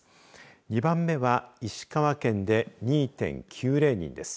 ２番目は石川県で２．９０人です。